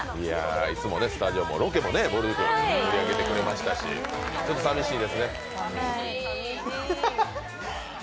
いつもスタジオもロケも盛り上げてくれましたしちょっと寂しいですね。